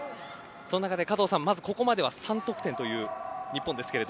その中で、ここまでは３得点という日本です。